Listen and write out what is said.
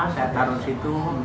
saya taruh di situ